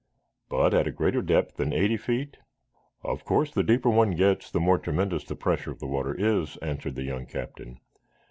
"But at a greater depth than eighty feet ?" "Of course, the deeper one gets, the more tremendous the pressure of the water is," answered the young captain.